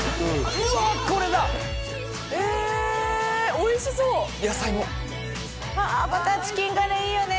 うわっこれだ！えおいしそう野菜もバターチキンカレーいいよね